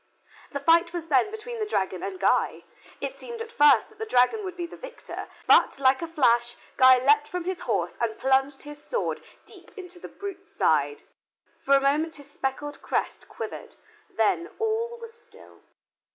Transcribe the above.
The fight was then between the dragon and Guy. It seemed at first that the dragon would be the victor, but, like a flash, Guy leaped from his horse and plunged his sword deep into the brute's side. For a moment his speckled crest quivered, then all was still.